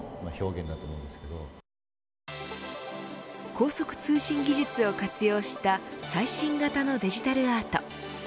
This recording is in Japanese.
高速通信技術を活用した最新型のデジタルアート。